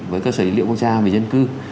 với cơ sở dữ liệu quốc gia về dân cư